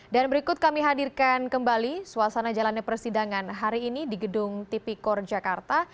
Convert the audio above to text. dan berikut kami hadirkan kembali suasana jalannya persidangan hari ini di gedung tipikor jakarta